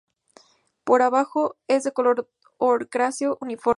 Por abajo es de color ocráceo uniforme.